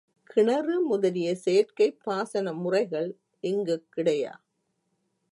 கிணறு முதலிய செயற்கைப் பாசன முறைகள் இங்குக் கிடையா.